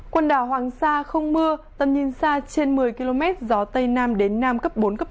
quần đảo hoàng sa không mưa tầm nhìn xa trên một mươi km gió tây nam đến nam cấp bốn